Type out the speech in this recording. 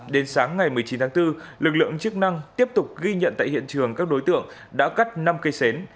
đến sáng ngày một mươi chín tháng bốn lực lượng chức năng tiếp tục ghi nhận tại hiện trường các đối tượng đã cắt năm cây xến